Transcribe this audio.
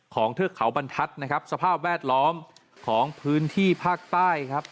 เทือกเขาบรรทัศน์นะครับสภาพแวดล้อมของพื้นที่ภาคใต้ครับ